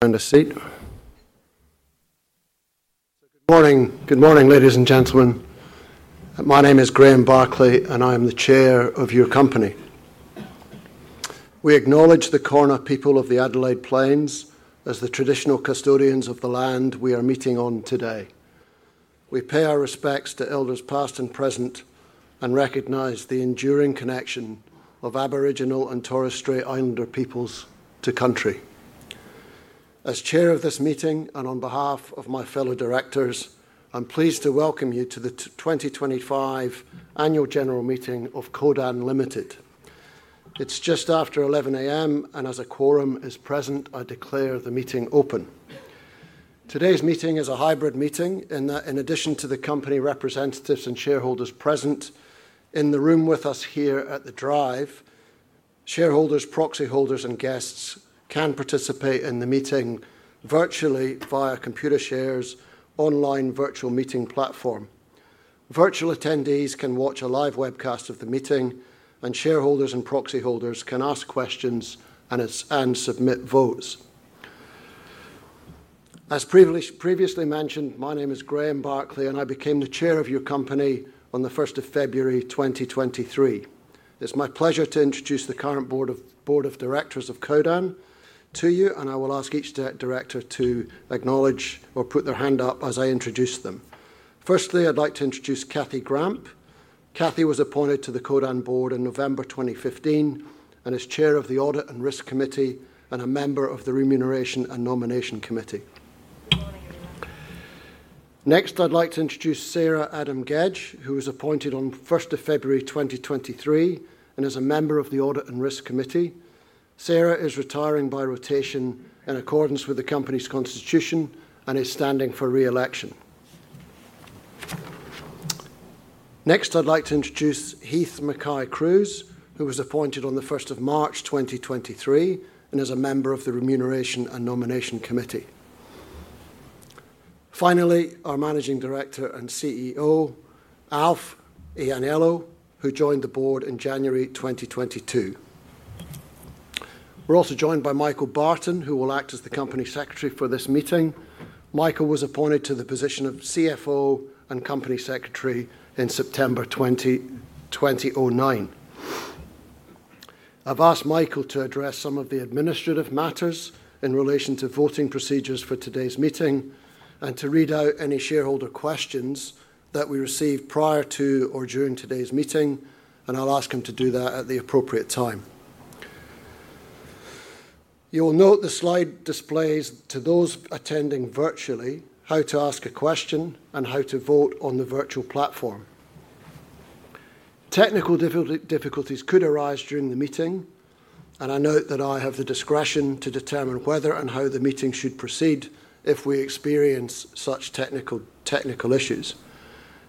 Good morning, ladies and gentlemen. My name is Graeme Barclay and I am the Chair of your company. We acknowledge the Kaurna people of the Adelaide Plains as the traditional custodians of the land we are meeting on today. We pay our respects to elders past and present and recognize the enduring connection of Aboriginal and Torres Strait Islander peoples to country. As Chair of this meeting and on behalf of my fellow directors, I'm pleased to welcome you to the 2025 Annual General Meeting of Codan Limited. It's just after 11:00 A.M. and as a quorum is present, I declare the meeting open. Today's meeting is a hybrid meeting in that in addition to the company representatives and shareholders present in the room with us here at The Drive, shareholders, proxy holders, and guests can participate in the meeting virtually via Computershare's online virtual meeting platform. Virtual attendees can watch a live webcast of the meeting and shareholders and proxy holders can ask questions and submit votes. As previously mentioned, my name is Graeme Barclay and I became the Chair of your company on the 1st of February 2023. It's my pleasure to introduce the current Board of Directors of Codan to you and I will ask each director to acknowledge or put their hand up as I introduce them. Firstly, I'd like to introduce Kathy Gramp. Kathy was appointed to the Codan Board in November 2015 and is Chair of the Audit and Risk Committee and a member of the Remuneration and Nomination Committee. Next, I'd like to introduce Sarah Adam-Gedge, who was appointed on 1st of February 2023 and is a member of the Audit and Risk Committee. Sarah is retiring by rotation in accordance with the company's constitution and is standing for reelection. Next, I'd like to introduce Heith Mackay-Cruise, who was appointed on the 1st of March 2023 and is a member of the Remuneration and Nomination Committee. Finally, our Managing Director and CEO, Alf Ianniello, who joined the Board in January 2022. We're also joined by Michael Barton, who will act as the Company Secretary for this meeting. Michael was appointed to the position of CFO and Company Secretary in September 2009. I've asked Michael to address some of the administrative matters in relation to voting procedures for today's meeting and to read out any shareholder questions that we received prior to or during today's meeting, and I'll ask him to do that at the appropriate time. You will note the slide displays to those attending virtually how to ask a question and how to vote on the virtual platform. Technical difficulties could arise during the meeting, and I note that I have the discretion to determine whether and how the meeting should proceed if we experience such technical issues.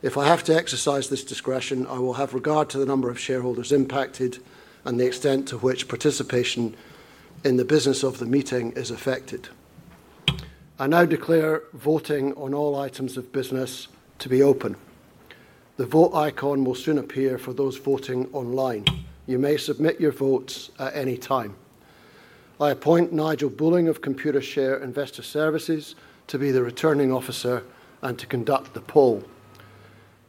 If I have to exercise this discretion, I will have regard to the number of shareholders impacted and the extent to which participation in the business of the meeting is affected. I now declare voting on all items of business to be open. The vote icon will soon appear for those voting online. You may submit your votes at any time. I appoint Nigel Bulling of Computershare Investor Services to be the returning officer and to conduct the poll.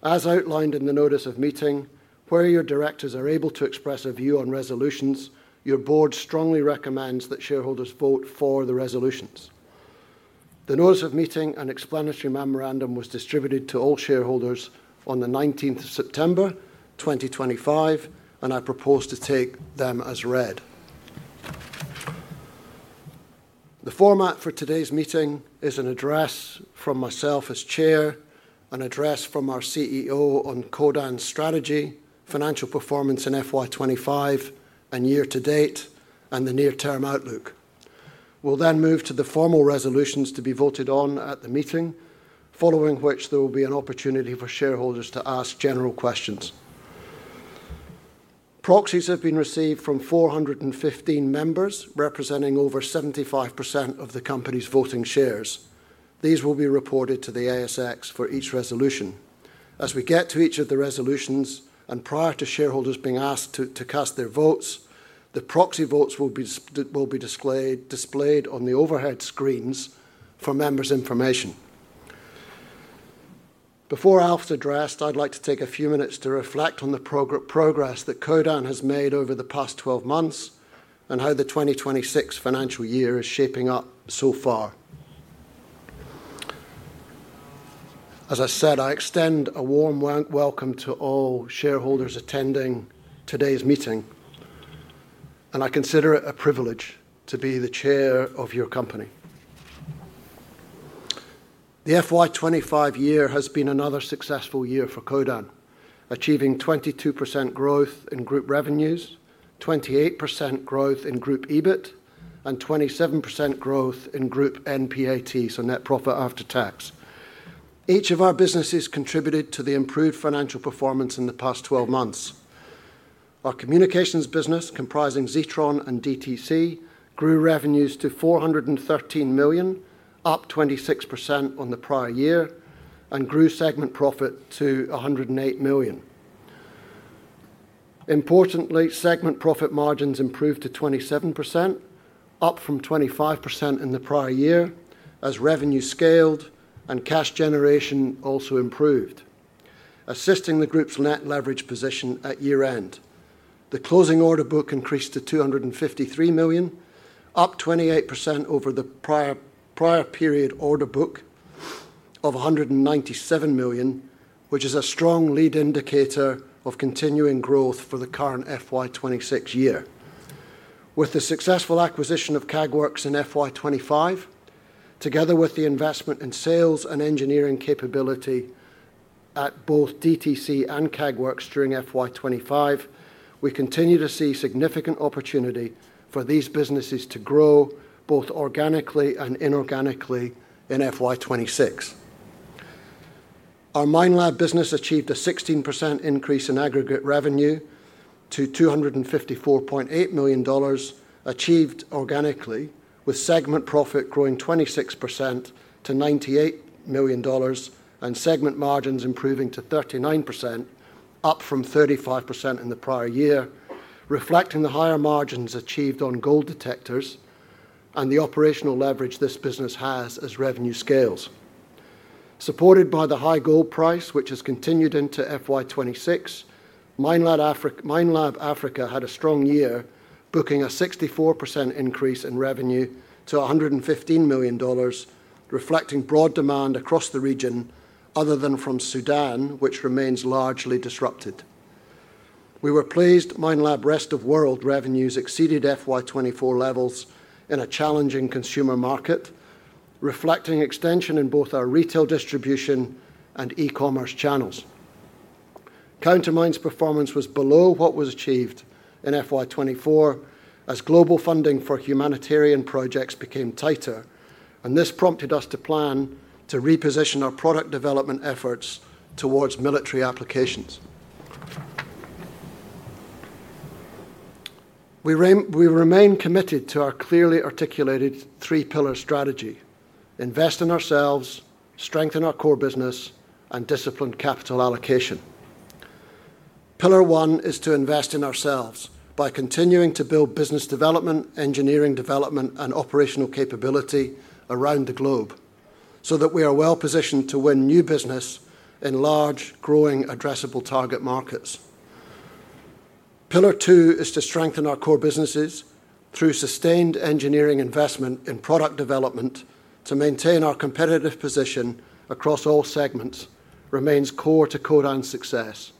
As outlined in the notice of meeting, where your directors are able to express a view on resolutions, your Board strongly recommends that shareholders vote for the resolutions. The notice of meeting and explanatory memorandum was distributed to all shareholders on the 19th of September 2025, and I propose to take them as read. The format for today's meeting is an address from myself as Chair, an address from our CEO on Codan's strategy, financial performance in FY25 and year to date, and the near-term outlook. We'll then move to the formal resolutions to be voted on at the meeting, following which there will be an opportunity for shareholders to ask general questions. Proxies have been received from 415 members, representing over 75% of the company's voting shares. These will be reported to the ASX for each resolution. As we get to each of the resolutions and prior to shareholders being asked to cast their votes, the proxy votes will be displayed on the overhead screens for members' information. Before Alf's address, I'd like to take a few minutes to reflect on the progress that Codan has made over the past 12 months and how the 2026 financial year is shaping up so far. As I said, I extend a warm welcome to all shareholders attending today's meeting, and I consider it a privilege to be the Chair of your company. The FY25 year has been another successful year for Codan, achieving 22% growth in group revenues, 28% growth in group EBIT, and 27% growth in group NPAT, so Net Profit After Tax. Each of our businesses contributed to the improved financial performance in the past 12 months. Our communications business, comprising Zetron and DTC, grew revenues to $413 million, up 26% on the prior year, and grew segment profit to $108 million. Importantly, segment profit margins improved to 27%, up from 25% in the prior year as revenue scaled and cash generation also improved, assisting the group's net leverage position at year end. The closing order book increased to $253 million, up 28% over the prior period order book of $197 million, which is a strong lead indicator of continuing growth for the current FY26 year. With the successful acquisition of CAGWORKS in FY25, together with the investment in sales and engineering capability at both DTC and CAGWORKS during FY25, we continue to see significant opportunity for these businesses to grow both organically and inorganically in FY26. Our Minelab business achieved a 16% increase in aggregate revenue to $254.8 million, achieved organically with segment profit growing 26% to $98 million and segment margins improving to 39%, up from 35% in the prior year, reflecting the higher margins achieved on gold detectors and the operational leverage this business has as revenue scales. Supported by the high gold price, which has continued into FY26, Minelab Africa had a strong year, booking a 64% increase in revenue to $115 million, reflecting broad demand across the region other than from Sudan, which remains largely disrupted. We were pleased Minelab rest of world revenues exceeded FY24 levels in a challenging consumer market, reflecting extension in both our retail distribution and e-commerce channels. CounterMine's performance was below what was achieved in FY24 as global funding for humanitarian projects became tighter, and this prompted us to plan to reposition our product development efforts towards military applications. We remain committed to our clearly articulated three-pillar strategy: invest in ourselves, strengthen our core business, and discipline capital allocation. Pillar one is to invest in ourselves by continuing to build business development, engineering development, and operational capability around the globe so that we are well positioned to win new business in large, growing, addressable target markets. Pillar two is to strengthen our core businesses through sustained engineering investment in product development to maintain our competitive position across all segments, remains core to Codan's success,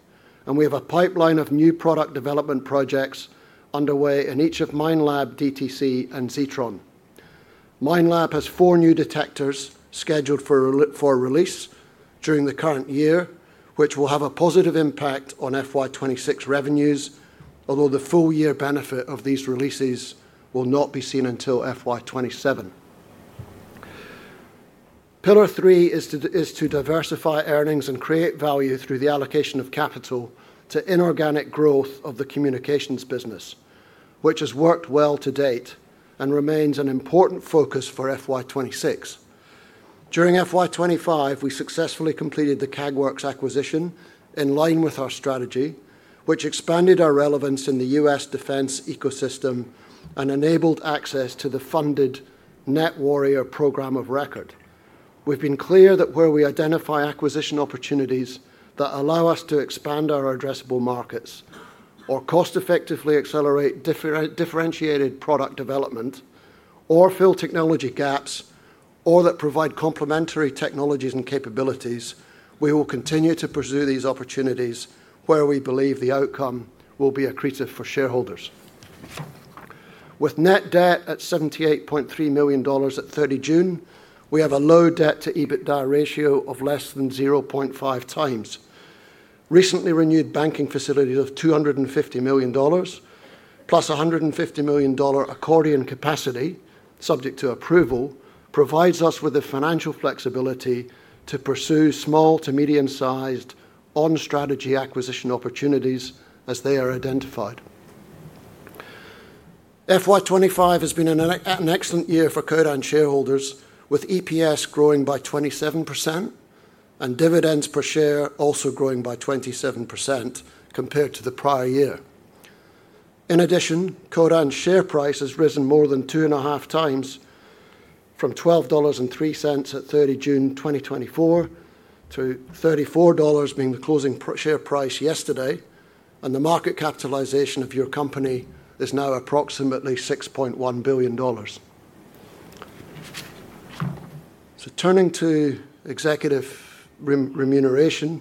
and we have a pipeline of new product development projects underway in each of Minelab, DTC, and Zetron. Minelab has four new detectors scheduled for release during the current year, which will have a positive impact on FY26 revenues, although the full year benefit of these releases will not be seen until FY27. Pillar three is to diversify earnings and create value through the allocation of capital to inorganic growth of the communications business, which has worked well to date and remains an important focus for FY26. During FY25, we successfully completed the CAGWORKS acquisition in line with our strategy, which expanded our relevance in the U.S. defense ecosystem and enabled access to the funded Net Warrior Program of record. We've been clear that where we identify acquisition opportunities that allow us to expand our addressable markets or cost-effectively accelerate differentiated product development or fill technology gaps or that provide complementary technologies and capabilities, we will continue to pursue these opportunities where we believe the outcome will be accretive for shareholders. With net debt at $78.3 million at 30 June, we have a low debt-to-EBITDA ratio of less than 0.5x. Recently renewed banking facilities of $250 million plus $150 million accordion capacity subject to approval provides us with the financial flexibility to pursue small to medium-sized on-strategy acquisition opportunities as they are identified. FY25 has been an excellent year for Codan shareholders, with EPS growing by 27% and dividends per share also growing by 27% compared to the prior year. In addition, Codan's share price has risen more than 2.5x from $12.03 at 30th June, 2024 to $34 being the closing share price yesterday, and the market capitalization of your company is now approximately $6.1 billion. Turning to executive remuneration,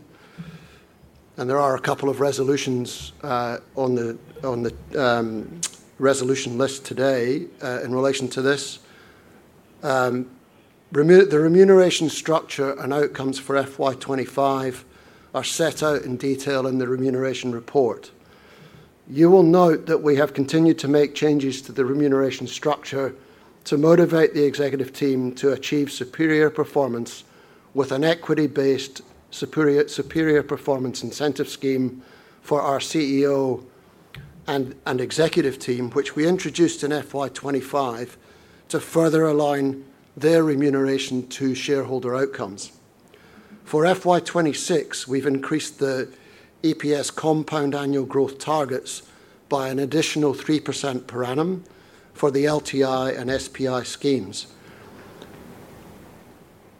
there are a couple of resolutions on the resolution list today in relation to this. The remuneration structure and outcomes for FY25 are set out in detail in the remuneration report. You will note that we have continued to make changes to the remuneration structure to motivate the executive team to achieve superior performance with an equity-based superior performance incentive scheme for our CEO and executive team, which we introduced in FY25 to further align their remuneration to shareholder outcomes. For FY26, we've increased the EPS compound annual growth targets by an additional 3% per annum for the LTI and SPI schemes.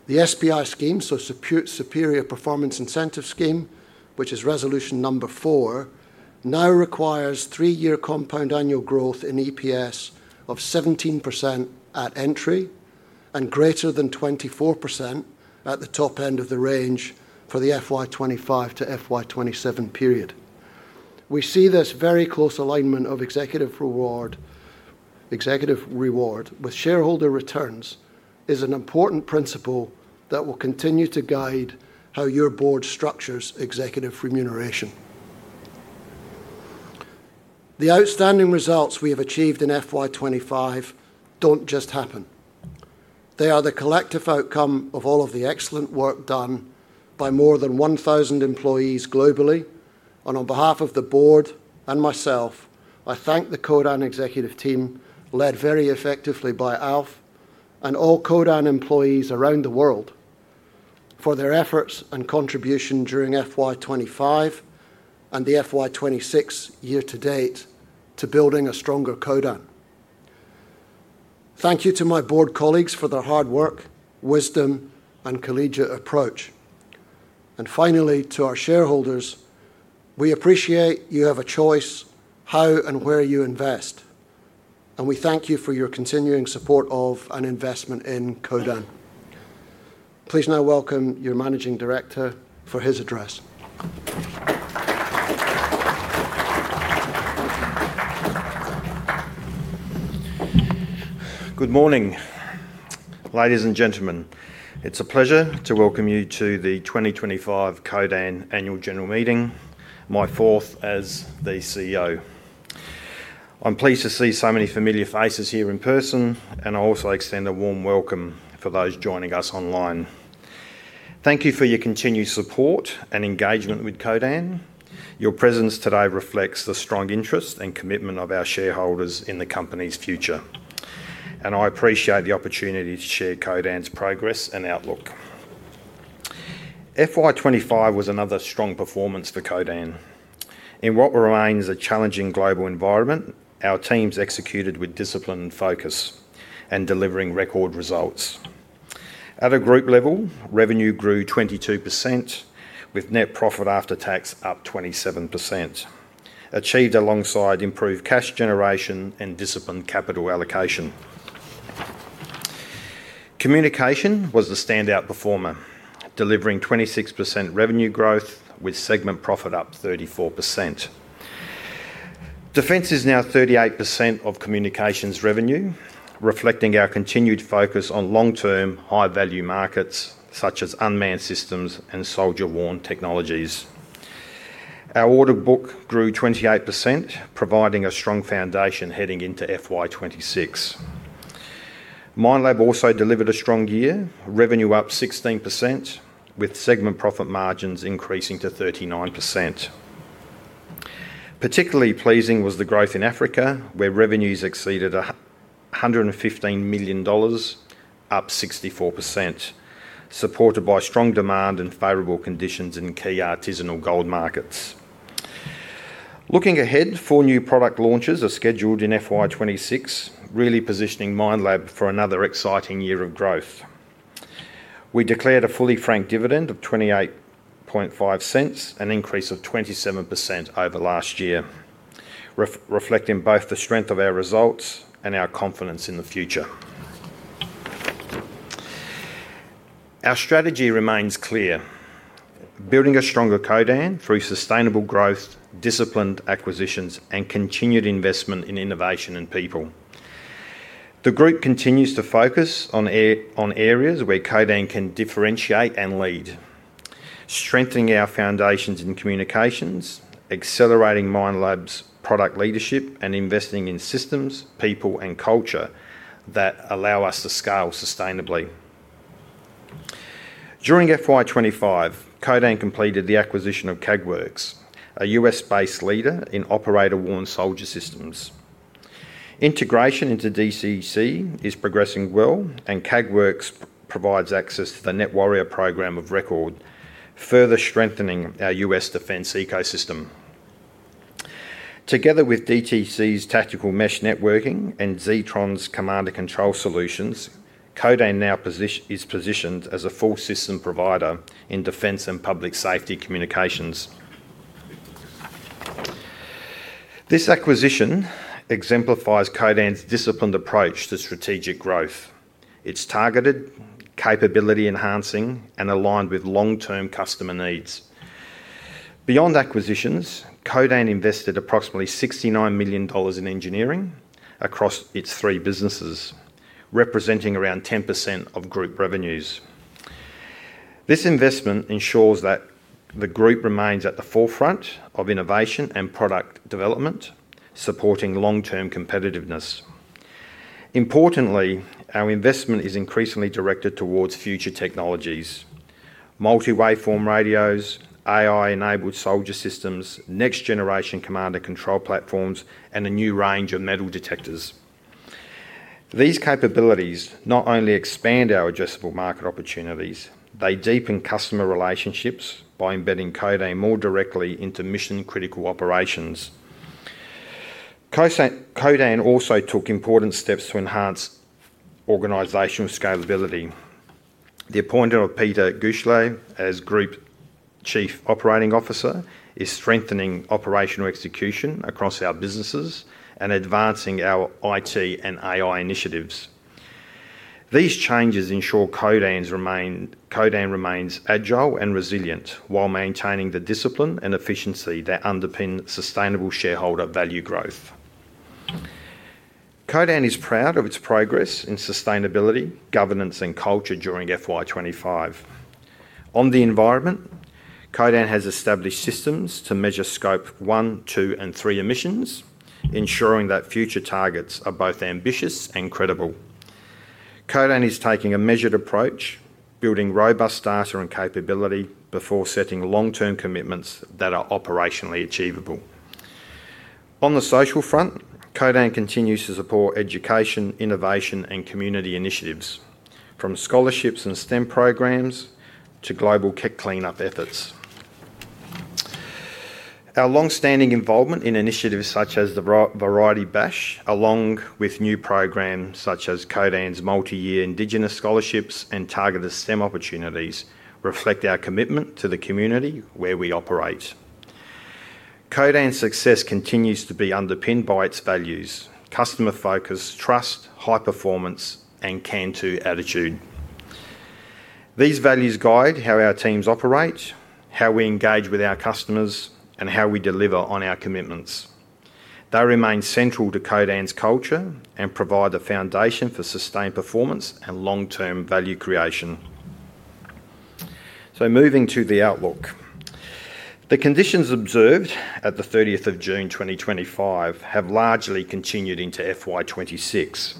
The SPI scheme, so Superior Performance Incentive Scheme, which is resolution number four, now requires three-year compound annual growth in EPS of 17% at entry and greater than 24% at the top end of the range for the FY25 to FY27 period. We see this very close alignment of executive reward with shareholder returns is an important principle that will continue to guide how your board structures executive remuneration. The outstanding results we have achieved in FY25 don't just happen. They are the collective outcome of all of the excellent work done by more than 1,000 employees globally. On behalf of the board and myself, I thank the Codan executive team led very effectively by Alf and all Codan employees around the world for their efforts and contribution during FY25 and the FY26 year to date to building a stronger Codan. Thank you to my board colleagues for their hard work, wisdom, and collegiate approach. Finally, to our shareholders, we appreciate you have a choice how and where you invest, and we thank you for your continuing support of and investment in Codan. Please now welcome your Managing Director for his address. Good morning, ladies and gentlemen. It's a pleasure to welcome you to the 2025 Codan Annual General Meeting, my fourth as the CEO. I'm pleased to see so many familiar faces here in person, and I also extend a warm welcome for those joining us online. Thank you for your continued support and engagement with Codan. Your presence today reflects the strong interest and commitment of our shareholders in the company's future, and I appreciate the opportunity to share Codan's progress and outlook. FY25 was another strong performance for Codan. In what remains a challenging global environment, our teams executed with discipline and focus in delivering record results. At a group level, revenue grew 22%, with net profit after tax up 27%, achieved alongside improved cash generation and disciplined capital allocation. Communications was the standout performer, delivering 26% revenue growth with segment profit up 34%. Defense is now 38% of communications revenue, reflecting our continued focus on long-term high-value markets such as unmanned systems and soldier-worn technologies. Our order book grew 28%, providing a strong foundation heading into FY26. Minelab also delivered a strong year, revenue up 16%, with segment profit margins increasing to 39%. Particularly pleasing was the growth in Africa, where revenues exceeded $115 million, up 64%, supported by strong demand and favorable conditions in key artisanal gold markets. Looking ahead, four new product launches are scheduled in FY26, really positioning Minelab for another exciting year of growth. We declared a fully franked dividend of $0.285, an increase of 27% over last year, reflecting both the strength of our results and our confidence in the future. Our strategy remains clear: building a stronger Codan through sustainable growth, disciplined acquisitions, and continued investment in innovation and people. The group continues to focus on areas where Codan can differentiate and lead, strengthening our foundations in communications, accelerating Minelab's product leadership, and investing in systems, people, and culture that allow us to scale sustainably. During FY25, Codan completed the acquisition of CAGWORKS, a U.S.-based leader in operator-worn soldier systems. Integration into DTC is progressing well, and CAGWORKS provides access to the Net Warrior Program of record, further strengthening our U.S. defense ecosystem. Together with DTCs tactical mesh networking and Zetron's Command and Control solutions, Codan now is positioned as a full system provider in defense and public safety communications. This acquisition exemplifies Codan's disciplined approach to strategic growth. It's targeted, capability-enhancing, and aligned with long-term customer needs. Beyond acquisitions, Codan invested approximately $69 million in engineering across its three businesses, representing around 10% of group revenues. This investment ensures that the group remains at the forefront of innovation and product development, supporting long-term competitiveness. Importantly, our investment is increasingly directed towards future technologies: multi-waveform radios, AI-enabled soldier systems, next-generation command and control platforms, and a new range of metal detectors. These capabilities not only expand our addressable market opportunities, they deepen customer relationships by embedding Codan more directly into mission-critical operations. Codan also took important steps to enhance organizational scalability. The appointment of Pieter Guichelaar as Group Chief Operating Officer is strengthening operational execution across our businesses and advancing our IT and AI initiatives. These changes ensure Codan remains agile and resilient while maintaining the discipline and efficiency that underpin sustainable shareholder value growth. Codan is proud of its progress in sustainability, governance, and culture during FY25. On the environment, Codan has established systems to measure scope one, two, and three emissions, ensuring that future targets are both ambitious and credible. Codan is taking a measured approach, building robust data and capability before setting long-term commitments that are operationally achievable. On the social front, Codan continues to support education, innovation, and community initiatives, from scholarships and STEM programs to global tech cleanup efforts. Our longstanding involvement in initiatives such as the Variety Bash, along with new programs such as Codan's multi-year indigenous scholarships and targeted STEM opportunities, reflect our commitment to the community where we operate. Codan's success continues to be underpinned by its values: customer focus, trust, high performance, and can-do attitude. These values guide how our teams operate, how we engage with our customers, and how we deliver on our commitments. They remain central to Codan's culture and provide the foundation for sustained performance and long-term value creation. Moving to the outlook. The conditions observed at the 30th of June, 2025, have largely continued into FY26,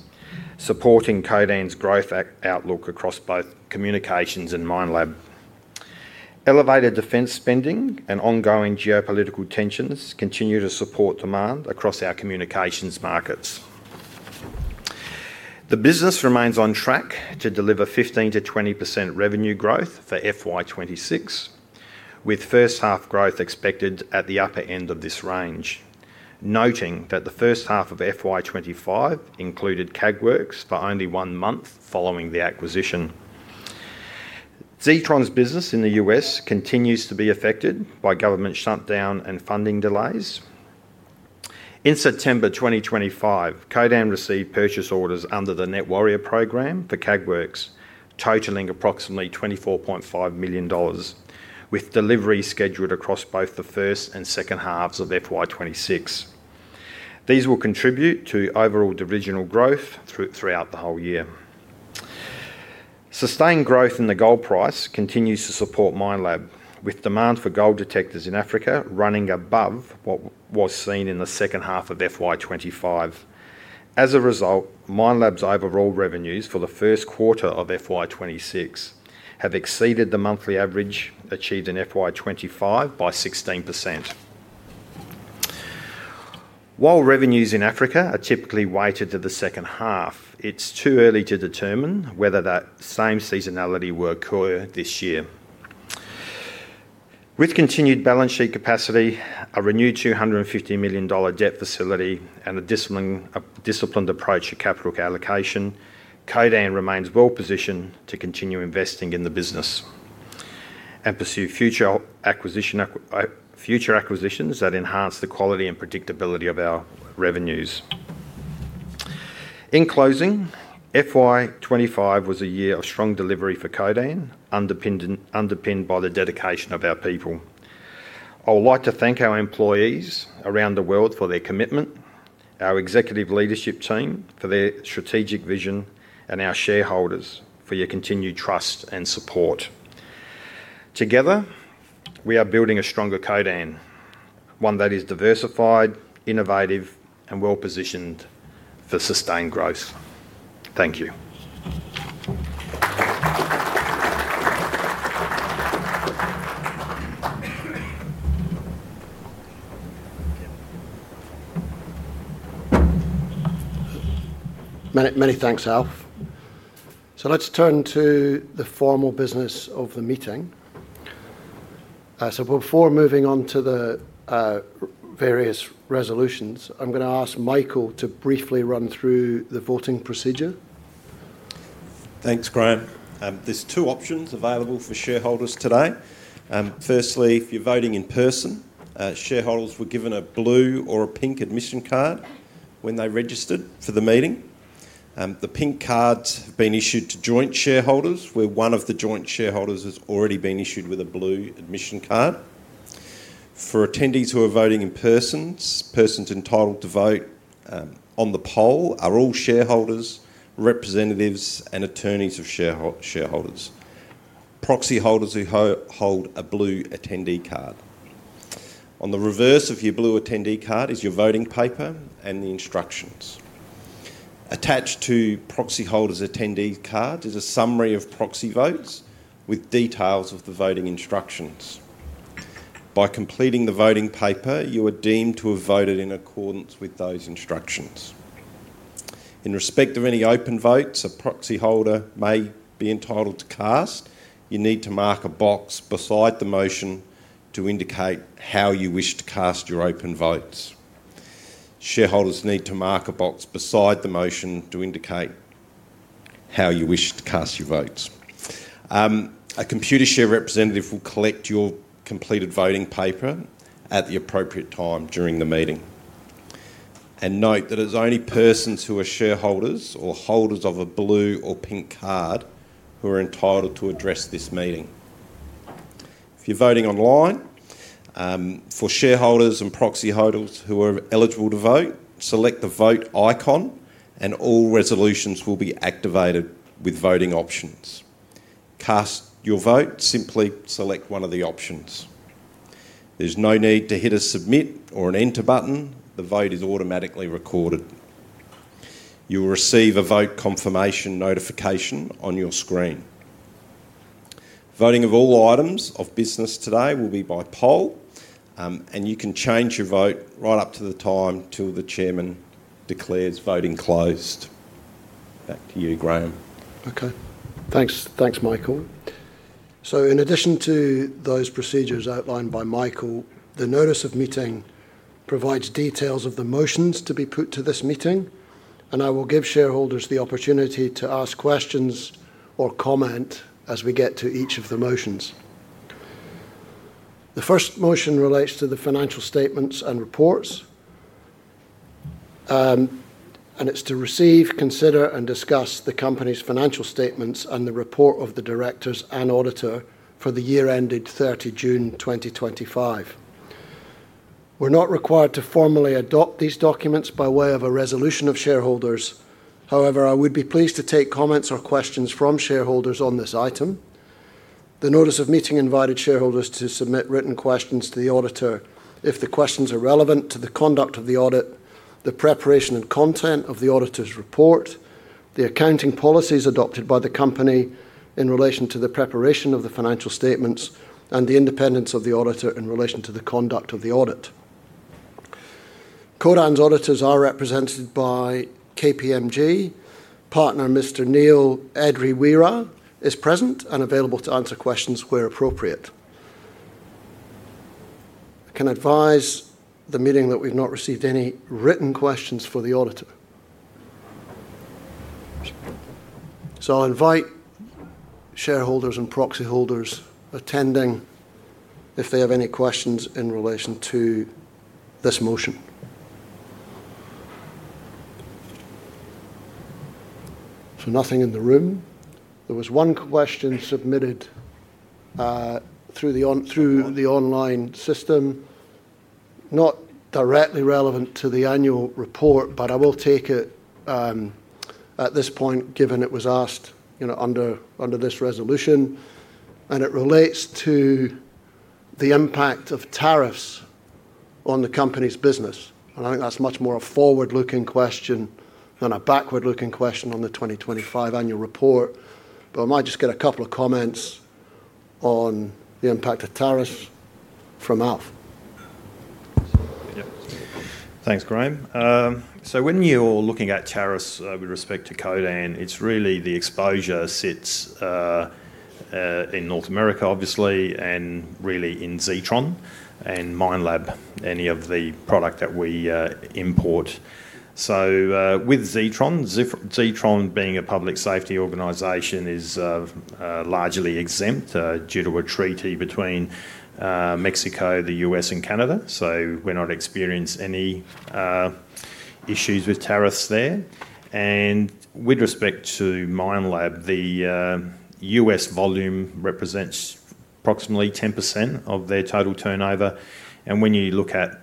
supporting Codan's growth outlook across both communications and Minelab. Elevated defense spending and ongoing geopolitical tensions continue to support demand across our communications markets. The business remains on track to deliver 15%-20% revenue growth for FY26, with first half growth expected at the upper end of this range, noting that the first half of FY25 included CAGWORKS for only one month following the acquisition. Zetron's business in the U.S. continues to be affected by government shutdown and funding delays. In September 2025, Codan received purchase orders under the Net Warrior Program for CAGWORKS, totaling approximately $24.5 million, with deliveries scheduled across both the first and second halves of FY26. These will contribute to overall divisional growth throughout the whole year. Sustained growth in the gold price continues to support Minelab, with demand for gold detectors in Africa running above what was seen in the second half of FY25. As a result, Minelab's overall revenues for the first quarter of FY26 have exceeded the monthly average achieved in FY25 by 16%. While revenues in Africa are typically weighted to the second half, it's too early to determine whether that same seasonality will occur this year. With continued balance sheet capacity, a renewed $250 million debt facility, and a disciplined approach to capital allocation, Codan remains well positioned to continue investing in the business and pursue future acquisitions that enhance the quality and predictability of our revenues. In closing, FY25 was a year of strong delivery for Codan, underpinned by the dedication of our people. I would like to thank our employees around the world for their commitment, our Executive Leadership Team for their strategic vision, and our shareholders for your continued trust and support. Together, we are building a stronger Codan, one that is diversified, innovative, and well positioned for sustained growth. Thank you. Many thanks, Alf. Let's turn to the formal business of the meeting. Before moving on to the various resolutions, I'm going to ask Michael to briefly run through the voting procedure. Thanks, Graeme. There's two options available for shareholders today. Firstly, if you're voting in person, shareholders were given a blue or a pink admission card when they registered for the meeting. The pink cards have been issued to joint shareholders, where one of the joint shareholders has already been issued with a blue admission card. For attendees who are voting in person, persons entitled to vote on the poll are all shareholders, representatives, and attorneys of shareholders, proxy holders who hold a blue attendee card. On the reverse of your blue attendee card is your voting paper and the instructions. Attached to proxy holders' attendee cards is a summary of proxy votes with details of the voting instructions. By completing the voting paper, you are deemed to have voted in accordance with those instructions. In respect of any open votes a proxy holder may be entitled to cast, you need to mark a box beside the motion to indicate how you wish to cast your open votes. Shareholders need to mark a box beside the motion to indicate how you wish to cast your votes. A Computershare representative will collect your completed voting paper at the appropriate time during the meeting. Note that it's only persons who are shareholders or holders of a blue or pink card who are entitled to address this meeting. If you're voting online, for shareholders and proxy holders who are eligible to vote, select the vote icon and all resolutions will be activated with voting options. To cast your vote, simply select one of the options. There's no need to hit a submit or an enter button, the vote is automatically recorded. You will receive a vote confirmation notification on your screen. Voting of all items of business today will be by poll, and you can change your vote right up to the time the Chairman declares voting closed. Back to you, Graeme. Okay. Thanks, thanks Michael. In addition to those procedures outlined by Michael, the notice of meeting provides details of the motions to be put to this meeting, and I will give shareholders the opportunity to ask questions or comment as we get to each of the motions. The first motion relates to the financial statements and reports, and it's to receive, consider, and discuss the company's financial statements and the report of the directors and auditor for the year ended 30 June, 2025. We're not required to formally adopt these documents by way of a resolution of shareholders. However, I would be pleased to take comments or questions from shareholders on this item. The notice of meeting invited shareholders to submit written questions to the auditor if the questions are relevant to the conduct of the audit, the preparation and content of the auditor's report, the accounting policies adopted by the company in relation to the preparation of the financial statements, and the independence of the auditor in relation to the conduct of the audit. Codan's auditors are represented by KPMG. Partner, Mr. Neil Edriweera, is present and available to answer questions where appropriate. I can advise the meeting that we've not received any written questions for the auditor. I'll invite shareholders and proxy holders attending if they have any questions in relation to this motion. Nothing in the room. There was one question submitted through the online system, not directly relevant to the annual report, but I will take it at this point given it was asked under this resolution, and it relates to the impact of tariffs on the company's business. I think that's much more a forward-looking question than a backward-looking question on the 2025 annual report. I might just get a couple of comments on the impact of tariffs from Alf. Yeah. Thanks, Graeme. When you're looking at tariffs with respect to Codan, it's really the exposure sits in North America, obviously, and really in Zetron and Minelab, any of the product that we import. With Zetron, Zetron being a public safety organization is largely exempt due to a treaty between Mexico, the U.S., and Canada. We're not experiencing any issues with tariffs there. With respect to Minelab, the U.S. volume represents approximately 10% of their total turnover. When you look at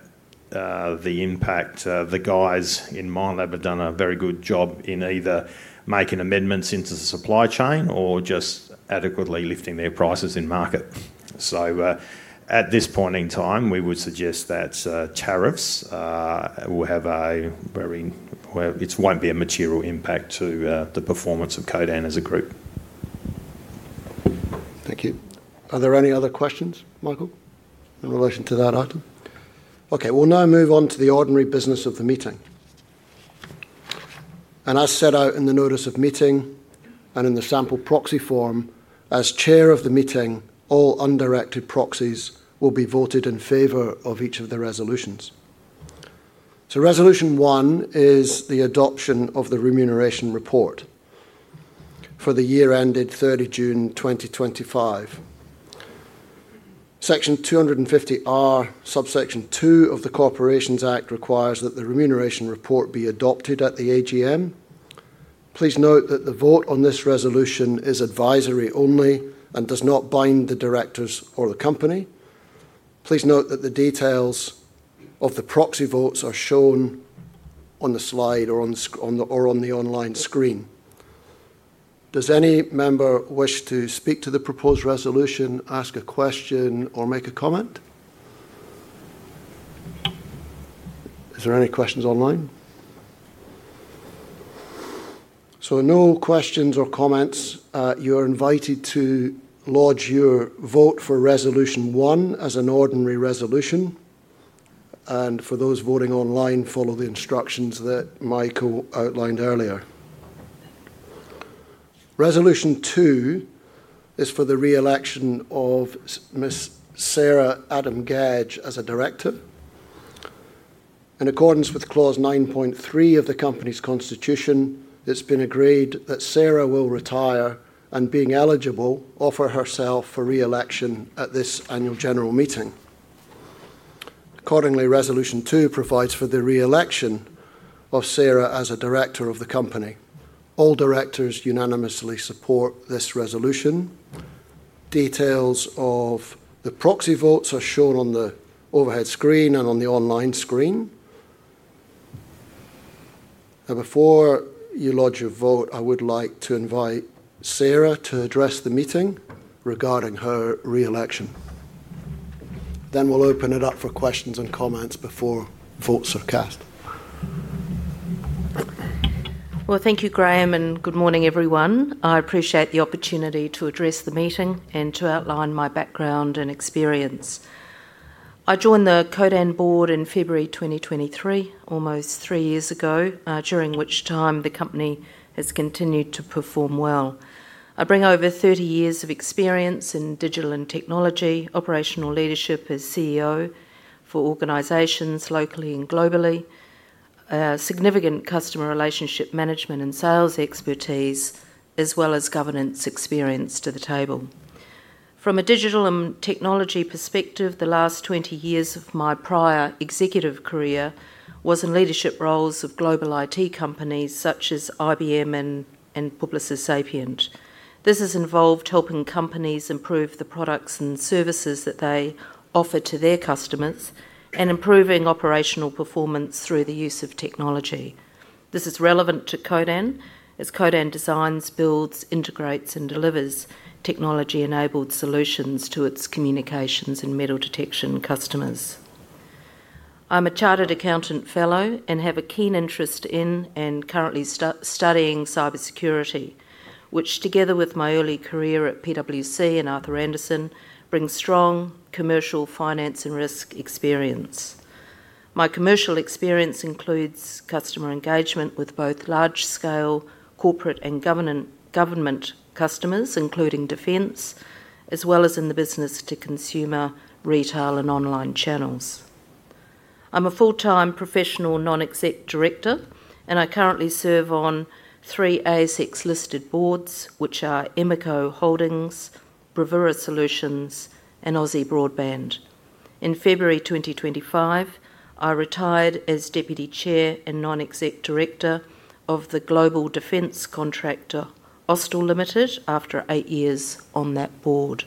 the impact, the guys in Minelab have done a very good job in either making amendments into the supply chain or just adequately lifting their prices in market. At this point in time, we would suggest that tariffs will have a very, it won't be a material impact to the performance of Codan as a group. Thank you. Are there any other questions, Michael, in relation to that item? Okay, we'll now move on to the ordinary business of the meeting. As set out in the notice of meeting and in the sample proxy form, as Chair of the meeting, all undirected proxies will be voted in favor of each of the resolutions. Resolution one is the adoption of the remuneration report for the year ended 30 June 2025. Section 250R, subsection two of the Corporations Act requires that the remuneration report be adopted at the AGM. Please note that the vote on this resolution is advisory only and does not bind the directors or the company. The details of the proxy votes are shown on the slide or on the online screen. Does any member wish to speak to the proposed resolution, ask a question, or make a comment? Are there any questions online? No questions or comments. You are invited to lodge your vote for resolution one as an ordinary resolution. For those voting online, follow the instructions that Michael outlined earlier. Resolution two is for the reelection of Miss Sarah Adam-Gedge as a Director. In accordance with clause 9.3 of the company's constitution, it's been agreed that Sarah will retire and, being eligible, offer herself for reelection at this Annual General Meeting. Accordingly, resolution two provides for the reelection of Sarah as a Director of the company. All directors unanimously support this resolution. Details of the proxy votes are shown on the overhead screen and on the online screen. Before you lodge your vote, I would like to invite Sarah to address the meeting regarding her reelection. We'll open it up for questions and comments before votes are cast. Thank you, Graeme, and good morning, everyone. I appreciate the opportunity to address the meeting and to outline my background and experience. I joined the Codan Board in February 2023, almost three years ago, during which time the company has continued to perform well. I bring over 30 years of experience in digital and technology, operational leadership as CEO for organizations locally and globally, significant customer relationship management and sales expertise, as well as governance experience to the table. From a digital and technology perspective, the last 20 years of my prior executive career was in leadership roles of global IT companies such as IBM and Publicis Sapient. This has involved helping companies improve the products and services that they offer to their customers and improving operational performance through the use of technology. This is relevant to Codan, as Codan designs, builds, integrates, and delivers technology-enabled solutions to its communications and metal detection customers. I'm a Chartered Accountant Fellow and have a keen interest in and currently studying cybersecurity, which, together with my early career at PwC and Arthur Andersen, brings strong commercial finance and risk experience. My commercial experience includes customer engagement with both large-scale corporate and government customers, including defense, as well as in the business-to-consumer, retail, and online channels. I'm a full-time professional non-exec director, and I currently serve on three ASX listed boards, which are Emiko Holdings, Bravura Solutions, and Aussie Broadband. In February 2025, I retired as Deputy Chair and Non-Exec Director of the global defense contractor, Austal Limited, after eight years on that board.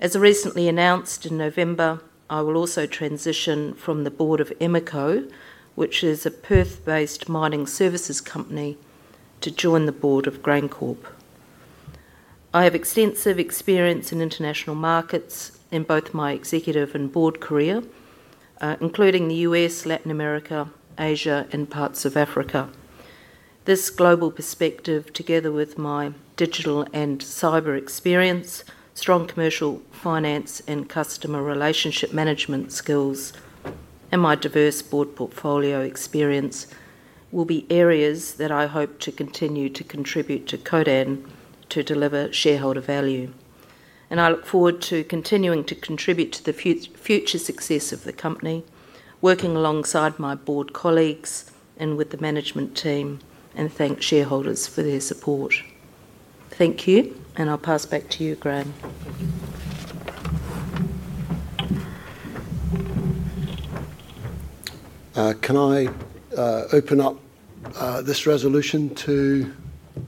As recently announced in November, I will also transition from the board of Emiko, which is a Perth-based mining services company, to join the board of Grain Corp. I have extensive experience in international markets in both my executive and board career, including the U.S., Latin America, Asia, and parts of Africa. This global perspective, together with my digital and cyber experience, strong commercial finance and customer relationship management skills, and my diverse board portfolio experience will be areas that I hope to continue to contribute to Codan to deliver shareholder value. I look forward to continuing to contribute to the future success of the company, working alongside my board colleagues and with the management team, and thank shareholders for their support. Thank you, I'll pass back to you, Graeme. Can I open up this resolution to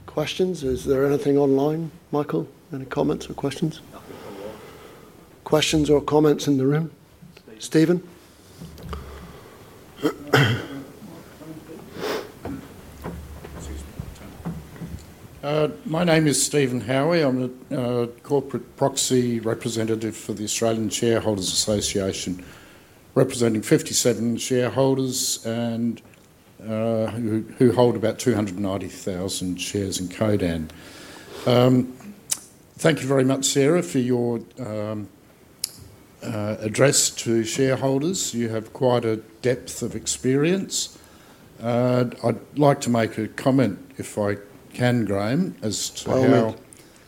questions? Is there anything online, Michael? Any comments or questions? Questions or comments in the room? Steven? My name is Steven Howie. I'm a Corporate Proxy Representative for the Australian Shareholders Association, representing 57 shareholders who hold about 290,000 shares in Codan. Thank you very much, Sarah, for your address to shareholders. You have quite a depth of experience. I'd like to make a comment, if I can, Graeme, as to how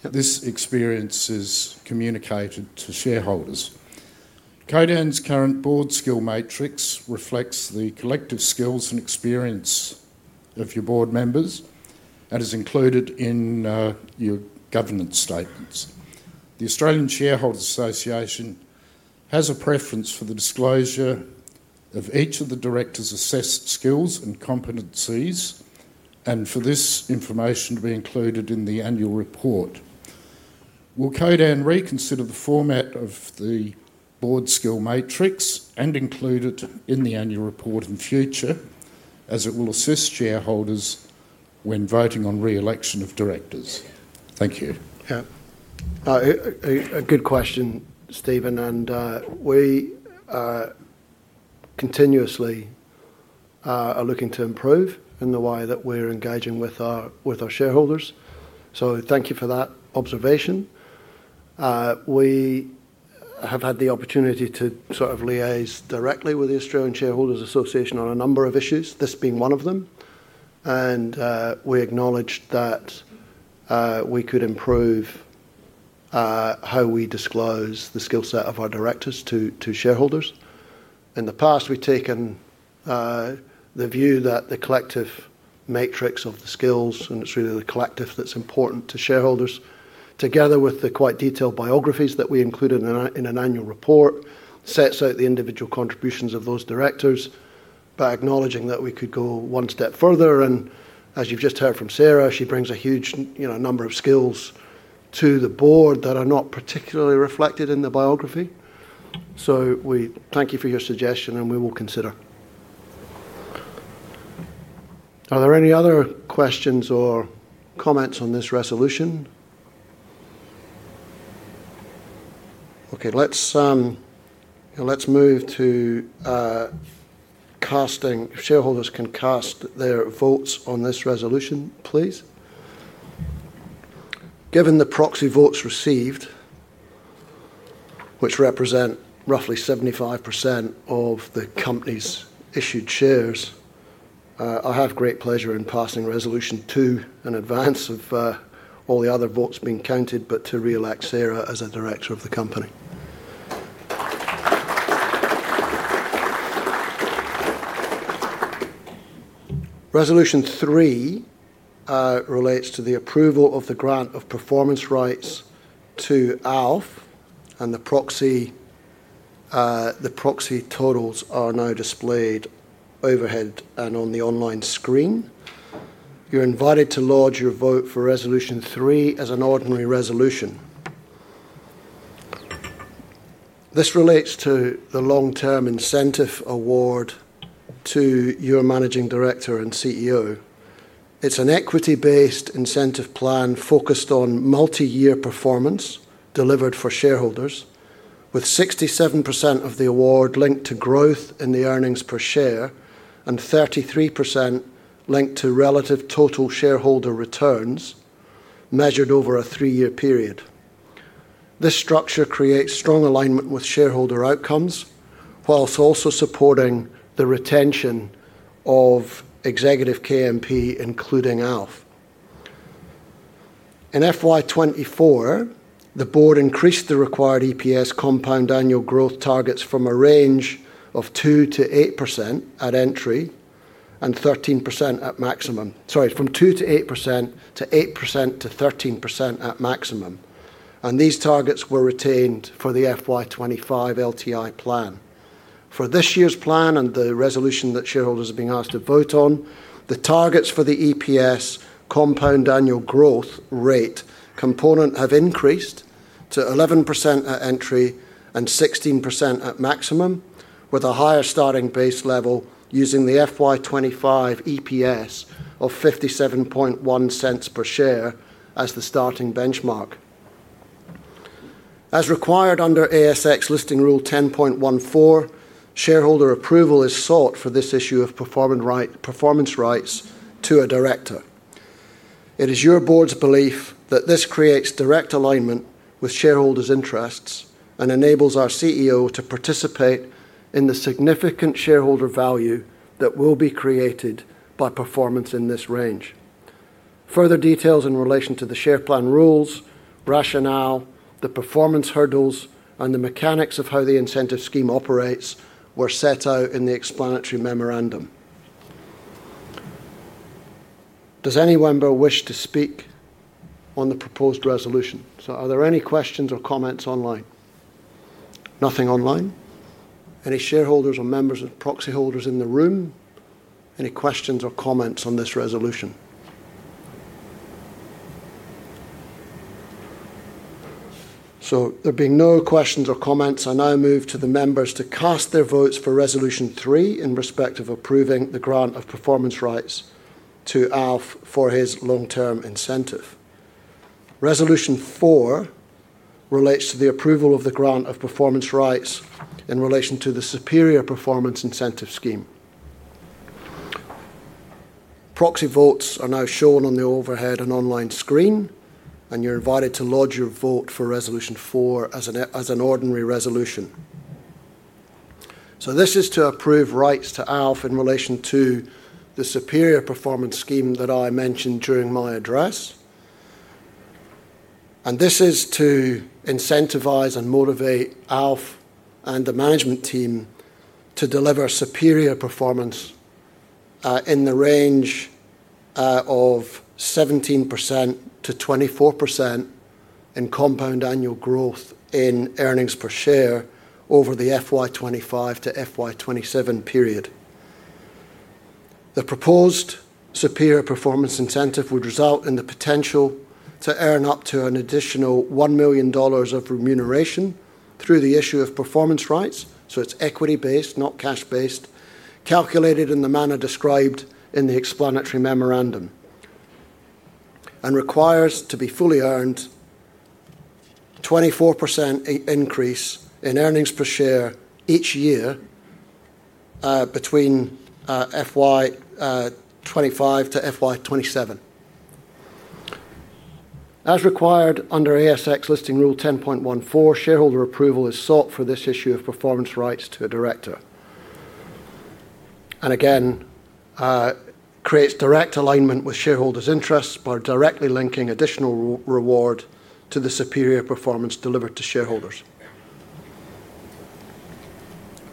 this experience is communicated to shareholders. Codan's current board skill matrix reflects the collective skills and experience of your board members and is included in your governance statements. The Australian Shareholders Association has a preference for the disclosure of each of the directors' assessed skills and competencies and for this information to be included in the annual report. Will Codan reconsider the format of the board skill matrix and include it in the annual report in the future as it will assist shareholders when voting on reelection of directors? Thank you. Yeah. A good question, Steven, and we continuously are looking to improve in the way that we're engaging with our shareholders. Thank you for that observation. We have had the opportunity to liaise directly with the Australian Shareholders Association on a number of issues, this being one of them. We acknowledged that we could improve how we disclose the skill set of our directors to shareholders. In the past, we've taken the view that the collective matrix of the skills, and it's really the collective that's important to shareholders, together with the quite detailed biographies that we included in an annual report, sets out the individual contributions of those directors by acknowledging that we could go one step further. As you've just heard from Sarah, she brings a huge number of skills to the board that are not particularly reflected in the biography. We thank you for your suggestion, and we will consider. Are there any other questions or comments on this resolution? Okay, let's move to casting. Shareholders can cast their votes on this resolution, please. Given the proxy votes received, which represent roughly 75% of the company's issued shares, I have great pleasure in passing resolution two in advance of all the other votes being counted, to reelect Sarah as a director of the company. Resolution three relates to the approval of the grant of performance rights to Alf, and the proxy totals are now displayed overhead and on the online screen. You're invited to lodge your vote for resolution three as an ordinary resolution. This relates to the long-term incentive award to your Managing Director and CEO. It's an equity-based incentive plan focused on multi-year performance delivered for shareholders, with 67% of the award linked to growth in the earnings per share and 33% linked to relative total shareholder returns measured over a three-year period. This structure creates strong alignment with shareholder outcomes, whilst also supporting the retention of executive KMP, including Alf. In FY24, the board increased the required EPS compound annual growth targets from a range of 2%-8% at entry and 13% at maximum. Sorry, from 2%-8% to 8%-13% at maximum. These targets were retained for the FY25 LTI plan. For this year's plan and the resolution that shareholders have been asked to vote on, the targets for the EPS compound annual growth rate component have increased to 11% at entry and 16% at maximum, with a higher starting base level using the FY25 EPS of $0.571 per share as the starting benchmark. As required under ASX listing rule 10.14, shareholder approval is sought for this issue of performance rights to a director. It is your Board's belief that this creates direct alignment with shareholders' interests and enables our CEO to participate in the significant shareholder value that will be created by performance in this range. Further details in relation to the share plan rules, rationale, the performance hurdles, and the mechanics of how the incentive scheme operates were set out in the explanatory memorandum. Does any member wish to speak on the proposed resolution? Are there any questions or comments online? Nothing online. Any shareholders or members of proxy holders in the room? Any questions or comments on this resolution? There being no questions or comments, I now move to the members to cast their votes for resolution three in respect of approving the grant of performance rights to Alf for his long-term incentive. Resolution four relates to the approval of the grant of performance rights in relation to the superior performance incentive scheme. Proxy votes are now shown on the overhead and online screen, and you're invited to lodge your vote for resolution four as an ordinary resolution. This is to approve rights to Alf in relation to the superior performance scheme that I mentioned during my address. This is to incentivize and motivate Alf and the management team to deliver superior performance in the range of 17%-24% in compound annual growth in earnings per share over the FY25 to FY27 period. The proposed superior performance incentive would result in the potential to earn up to an additional $1 million of remuneration through the issue of performance rights. It's equity-based, not cash-based, calculated in the manner described in the explanatory memorandum, and requires to be fully earned a 24% increase in earnings per share each year between FY25 to FY27. As required under ASX listing rule 10.14, shareholder approval is sought for this issue of performance rights to a director. This creates direct alignment with shareholders' interests by directly linking additional reward to the superior performance delivered to shareholders.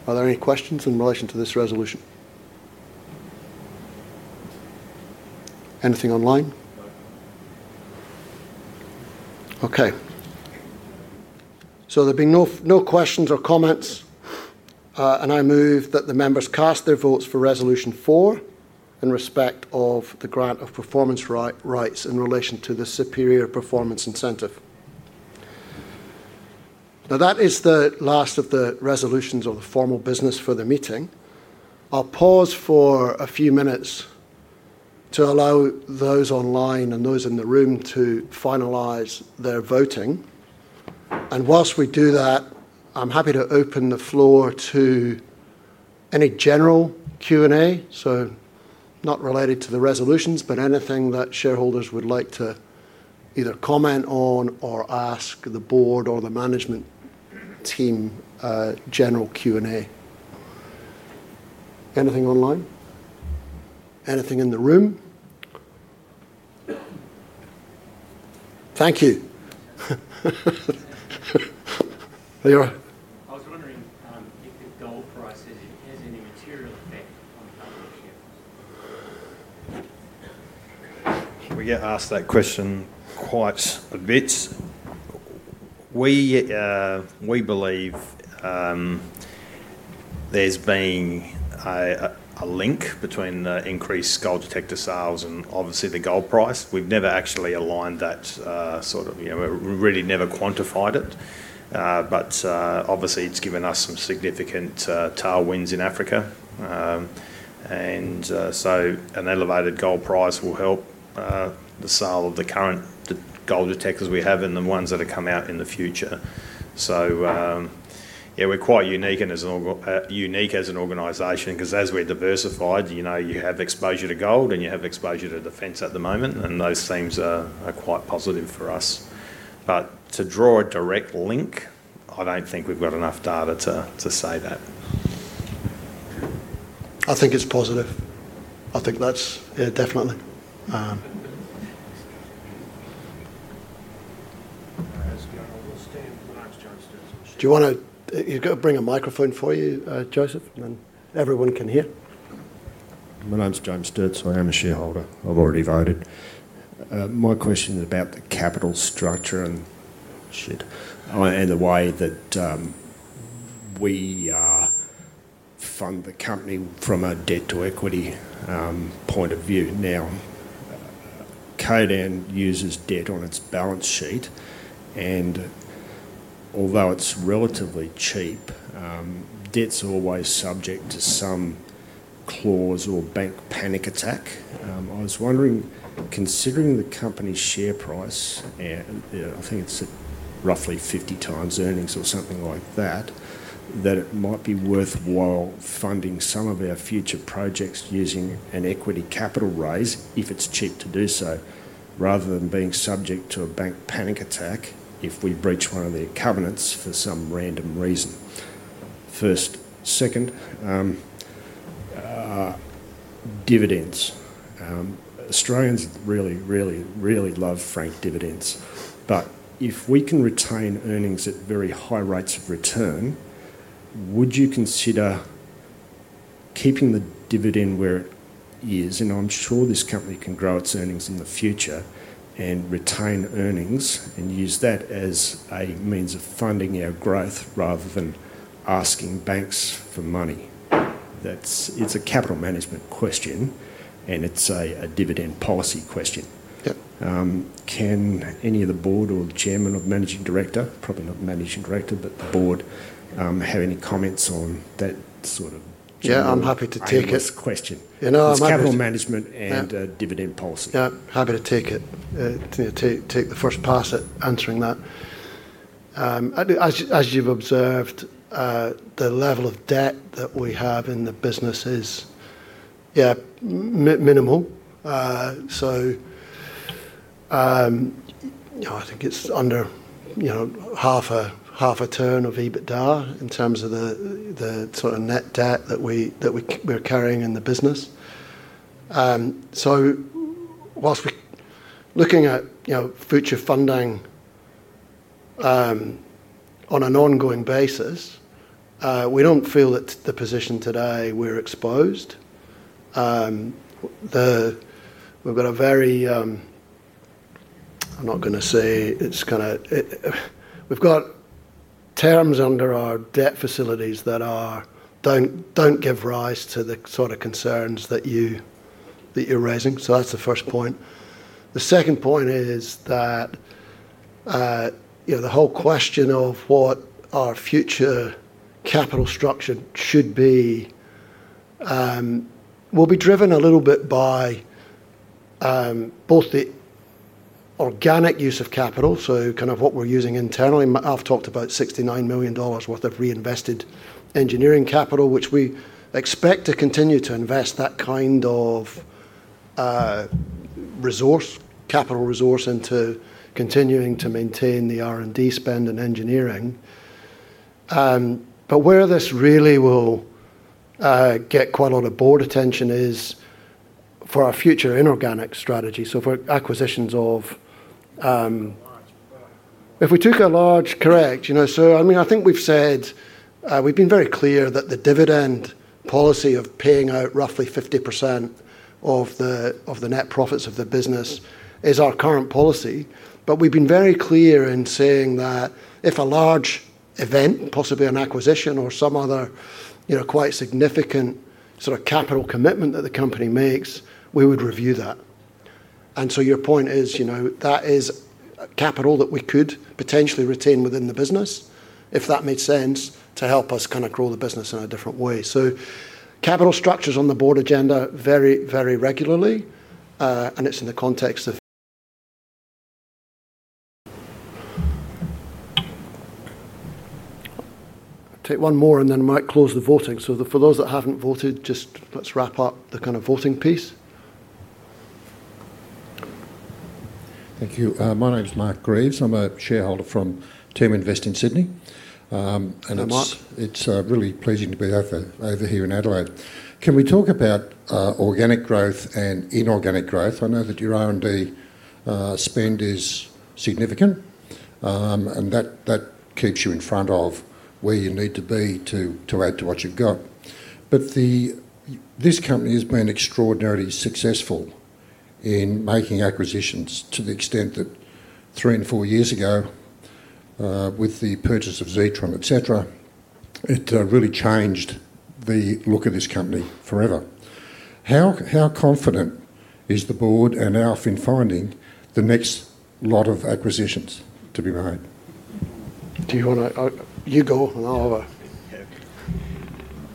Are there any questions in relation to this resolution? Anything online? Okay. There being no questions or comments, I move that the members cast their votes for resolution four in respect of the grant of performance rights in relation to the superior performance incentive. That is the last of the resolutions or the formal business for the meeting. I'll pause for a few minutes to allow those online and those in the room to finalize their voting. Whilst we do that, I'm happy to open the floor to any general Q&A. Not related to the resolutions, but anything that shareholders would like to either comment on or ask the Board or the management team, general Q&A. Anything online? Anything in the room? Thank you. I was wondering if the gold prices have any material effect on the government shares. We get asked that question quite a bit. We believe there's been a link between the increased gold detector sales and obviously the gold price. We've never actually aligned that sort of, you know, we really never quantified it. Obviously, it's given us some significant tailwinds in Africa. An elevated gold price will help the sale of the current gold detectors we have and the ones that have come out in the future. We're quite unique as an organization because as we're diversified, you have exposure to gold and you have exposure to defense at the moment, and those themes are quite positive for us. To draw a direct link, I don't think we've got enough data to say that. I think it's positive. I think that's it, definitely. Do you want to bring a microphone for you, Joseph, and then everyone can hear? My name's James Sturz, I am a shareholder. I've already voted. My question is about the capital structure and the way that we fund the company from a debt to equity point of view. Now, Codan uses debt on its balance sheet, and although it's relatively cheap, debt's always subject to some clause or bank panic attack. I was wondering, considering the company's share price, I think it's roughly 50x earnings or something like that, that it might be worthwhile funding some of our future projects using an equity capital raise if it's cheap to do so, rather than being subject to a bank panic attack if we breach one of their covenants for some random reason. First, second, dividends. Australians really, really, really love frank dividends. If we can retain earnings at very high rates of return, would you consider keeping the dividend where it is? I'm sure this company can grow its earnings in the future and retain earnings and use that as a means of funding our growth rather than asking banks for money. It's a capital management question, and it's a dividend policy question. Can any of the Board or the Chairman or the Managing Director, probably not Managing Director, but the Board, have any comments on that sort of question? Yeah, I'm happy to take it. It's capital management and dividend policy. Yeah, happy to take it. Take the first pass at answering that. As you've observed, the level of debt that we have in the business is minimal. I think it's under, you know, half a turn of EBITDA in terms of the sort of net debt that we're carrying in the business. Whilst we're looking at future funding on an ongoing basis, we don't feel that the position today we're exposed. We've got a very, I'm not going to say it's kind of, we've got terms under our debt facilities that don't give rise to the sort of concerns that you're raising. That's the first point. The second point is that the whole question of what our future capital structure should be will be driven a little bit by both the organic use of capital, so kind of what we're using internally. I've talked about $69 million worth of reinvested engineering capital, which we expect to continue to invest that kind of capital resource into continuing to maintain the R&D spend and engineering. Where this really will get quite a lot of board attention is for our future inorganic strategy, for acquisitions of. If we took a large. If we took a large, correct. I think we've said we've been very clear that the dividend policy of paying out roughly 50% of the net profits of the business is our current policy. We've been very clear in saying that if a large event, possibly an acquisition or some other quite significant sort of capital commitment that the company makes, we would review that. Your point is, that is capital that we could potentially retain within the business, if that made sense, to help us kind of grow the business in a different way. Capital structure's on the board agenda very, very regularly, and it's in the context of. Take one more and then we might close the voting. For those that haven't voted, just let's wrap up the kind of voting piece. Thank you. My name's Mark Graves. I'm a shareholder from Teaminvest in Sydney. Hi Mark. It's really pleasing to be over here in Adelaide. Can we talk about organic growth and inorganic growth? I know that your R&D spend is significant, and that keeps you in front of where you need to be to add to what you've got. This company has been extraordinarily successful in making acquisitions to the extent that three and four years ago, with the purchase of Zetron, et cetera, it really changed the look of this company forever. How confident is the Board and Alf in finding the next lot of acquisitions to be made? Do you want to, you go now.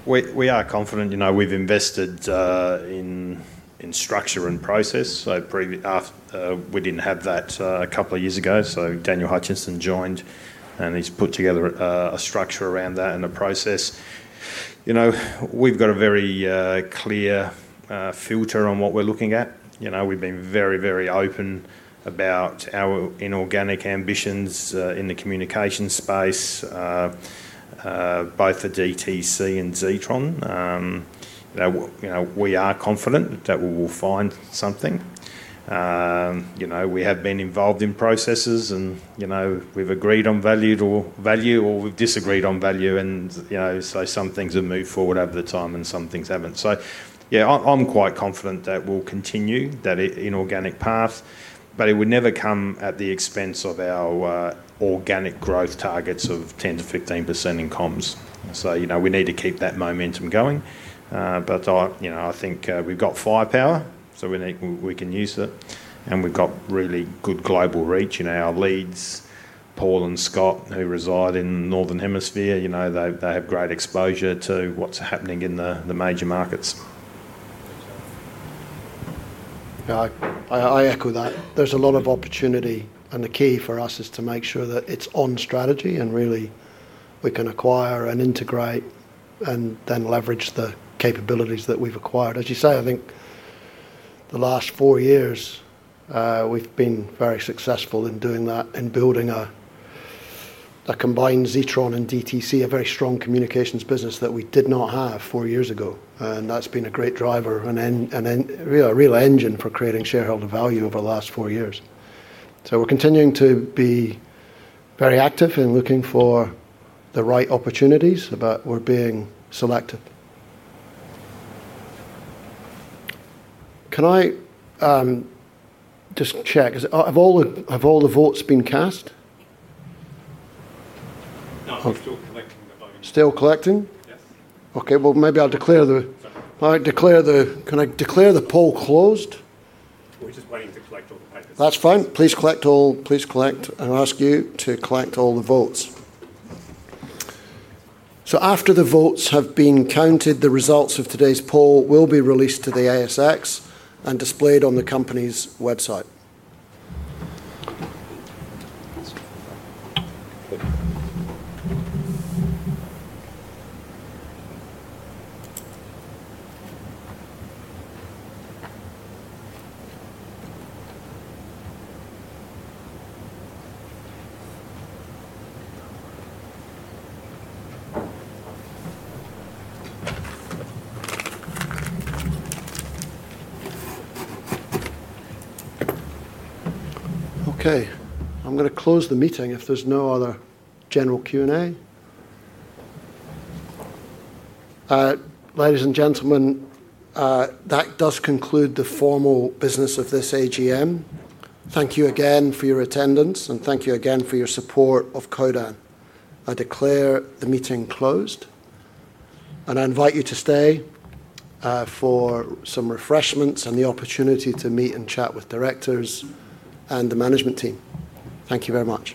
We are confident. We've invested in structure and process. We didn't have that a couple of years ago. Daniel Hutchinson joined, and he's put together a structure around that and the process. We've got a very clear filter on what we're looking at. We've been very, very open about our inorganic ambitions in the communication space, both for DTC and Zetron. We are confident that we will find something. We have been involved in processes, and we've agreed on value or we've disagreed on value. Some things have moved forward over the time and some things haven't. I'm quite confident that we'll continue that inorganic path, but it would never come at the expense of our organic growth targets of 10%-15% in comms. We need to keep that momentum going. I think we've got firepower, so we can use it. We've got really good global reach. Our leads, Paul and Scott, who reside in the northern hemisphere, have great exposure to what's happening in the major markets. I echo that. There's a lot of opportunity, and the key for us is to make sure that it's on strategy and really we can acquire and integrate and then leverage the capabilities that we've acquired. As you say, I think the last four years, we've been very successful in doing that and building a combined Zetron and DTC, a very strong communications business that we did not have four years ago. That's been a great driver and a real engine for creating shareholder value over the last four years. We're continuing to be very active in looking for the right opportunities, but we're being selective. Can I just check, have all the votes been cast? No, we're still collecting the votes. Still collecting? Yes. Okay, maybe I'll declare the poll closed. We're just waiting to collect all the papers. That's fine. Please collect all, please collect, and I ask you to collect all the votes. After the votes have been counted, the results of today's poll will be released to the ASX and displayed on the company's website. I'm going to close the meeting if there's no other general Q&A. Ladies and gentlemen, that does conclude the formal business of this AGM. Thank you again for your attendance, and thank you again for your support of Codan. I declare the meeting closed, and I invite you to stay for some refreshments and the opportunity to meet and chat with directors and the management team. Thank you very much.